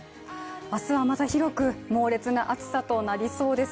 明日はまだ広く、猛烈な暑さとなりそうです。